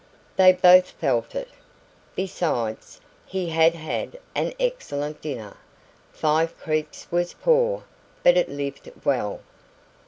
They both felt it. Besides, he had had an excellent dinner. Five Creeks was poor, but it lived well.